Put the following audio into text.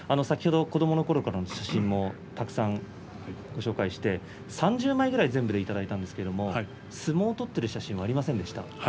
先ほど子どものころからの写真もたくさんご紹介して３０枚くらい全部でいただいたんですけれども相撲を取っている写真がありませんでした。